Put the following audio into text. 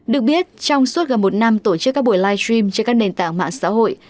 được biết trong suốt gần một năm tổ chức các buổi live stream trên các nền tảng mạng xã hội